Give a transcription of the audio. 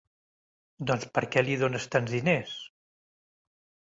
Doncs per què li dones tants diners?